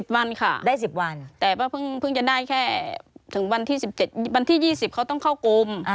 ๑๐วันค่ะแต่ว่าเพิ่งจะได้แค่ถึงวันที่๒๐เขาต้องเข้ากลุ่ม